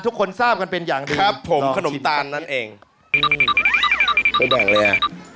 ทุกคนทราบกันเป็นอย่างครับผมขนมตานนั่นเองอืม